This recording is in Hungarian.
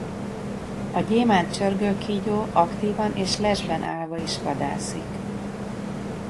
A gyémánt csörgőkígyó aktívan és lesben állva is vadászik.